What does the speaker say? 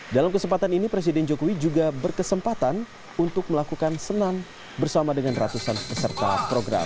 dalam kesempatan ini presiden jokowi juga berkesempatan untuk melakukan senam bersama dengan ratusan peserta program